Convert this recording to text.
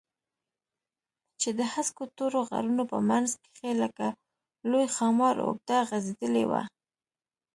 چې د هسکو تورو غرونو په منځ کښې لکه لوى ښامار اوږده غځېدلې وه.